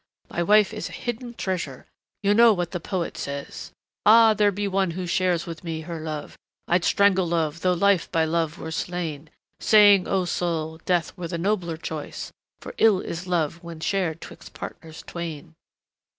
My wife is a hidden treasure. You know what the poet says: "'An' there be one who shares with me her love I'd strangle Love tho' Life by Love were slain, Saying, O Soul, Death were the nobler choice, For ill is Love when shared twixt partners twain.'"